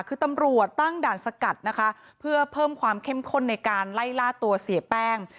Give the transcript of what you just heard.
คือตำรวจตั้งด่านสกัดนะคะเพื่อเพิ่มความเข้มข้นในการไล่ล่าตัวเสียแป้ง